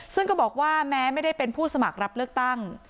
ซึ่งก็บอกว่าแม้ไม่ได้เป็นผู้สมัครรับเลือกตั้ง